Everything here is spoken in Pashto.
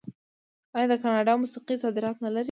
آیا د کاناډا موسیقي صادرات نلري؟